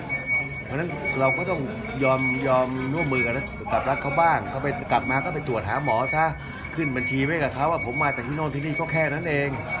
เพราะฉะนั้นเราก็ต้องยอมร่วมมือกันกับรัฐเขาบ้างเขาไปกลับมาก็ไปตรวจหาหมอซะขึ้นบัญชีไว้กับเขาว่าผมมาจากที่โน่นที่นี่ก็แค่นั้นเอง